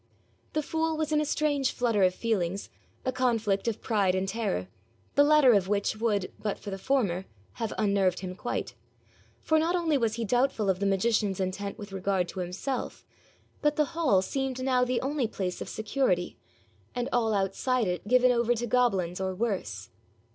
The fool was in a strange flutter of feelings, a conflict of pride and terror, the latter of which would, but for the former, have unnerved him quite; for not only was he doubtful of the magician's intent with regard to himself, but the hall seemed now the only place of security, and all outside it given over to goblins or worse.